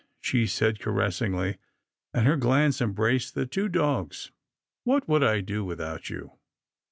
she said caressingly, and her glance embraced the two dogs. " What would I do without you